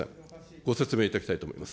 ご説明いただきたいと思います。